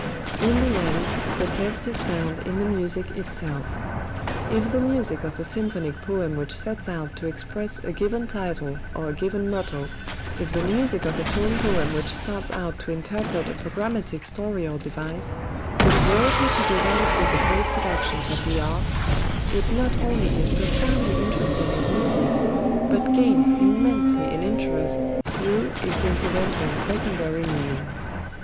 In the end the test is found in the music itself. If the music of a symphonic poem which sets out to express a given title or a given motto, if the music of a tone poem which starts out to interpret a programmatic story or device, is worthy to be ranked with the great productions of the art, it not only is profoundly interesting as music, but gains immensely in interest through its incidental secondary meaning.